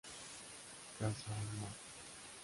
Casa Maj.